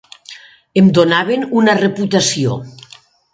Em donaven una reputació.